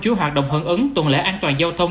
chuỗi hoạt động hận ứng tuần lễ an toàn giao thông